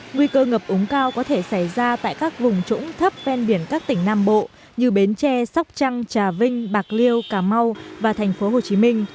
nguy cơ ngập úng cao có thể xảy ra tại các vùng trũng thấp ven biển các tỉnh nam bộ như bến tre sóc trăng trà vinh bạc liêu cà mau và thành phố hồ chí minh